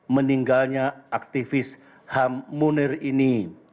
meninggalnya aktivis ham munir ini